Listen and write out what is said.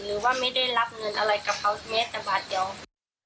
หรือว่าไม่ได้รับเงินอะไรกับเขาแม้แต่บาทเดียว